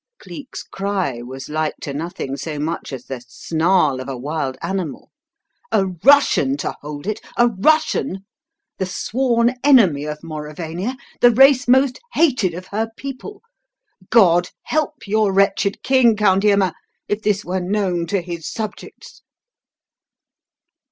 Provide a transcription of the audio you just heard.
Cleek's cry was like to nothing so much as the snarl of a wild animal. "A Russian to hold it a Russian? the sworn enemy of Mauravania the race most hated of her people! God help your wretched king, Count Irma, if this were known to his subjects."